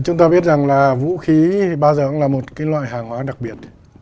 chúng ta biết rằng là vũ khí bao giờ cũng là một cái loại hàng hóa đặc biệt